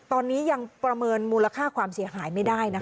ตอนนี้ยังประเมินมูลค่าความเสียหายไม่ได้นะคะ